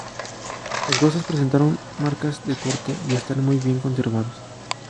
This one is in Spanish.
Los huesos presentaron marcas de corte, y están muy bien conservados.